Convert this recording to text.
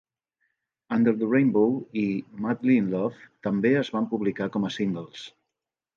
"Under the Rainbow" i "Madly in Love" també es van publicar com a singles.